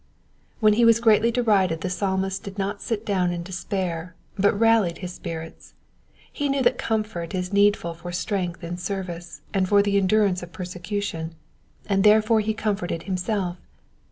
When he was greatly derided the Psalmist did not sit down in despair, but rallied his spirits. He knew that comfort is needful for strength in service, and for the endurance of persecution, and therefore he comforted himself.